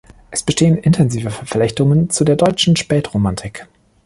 Es bestehen intensive Verflechtungen zu der deutschen Spätromantik.